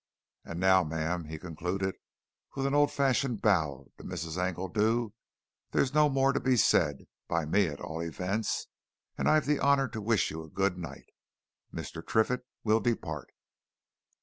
And now, ma'am," he concluded, with an old fashioned bow to Mrs. Engledew, "there's no more to be said by me, at all events, and I've the honour to wish you a good night. Mr. Triffitt we'll depart."